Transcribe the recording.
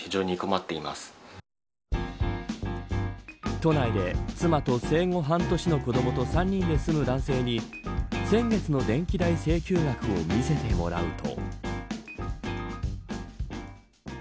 都内で妻と生後半年の子どもと３人で住む男性に先月の電気代請求額を見せてもらうと。